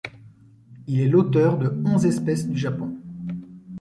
Il est l’auteur de onze espèces du Japon.